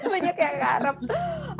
banyak yang ngarep